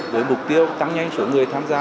với mục tiêu tăng nhanh số người tham gia